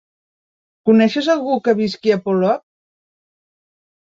Coneixes algú que visqui a Polop?